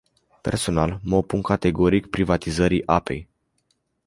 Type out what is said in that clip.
Personal mă opun categoric privatizării apei.